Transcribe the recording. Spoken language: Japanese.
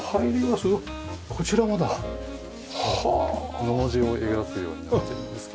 のの字を描くようになってるんですけど。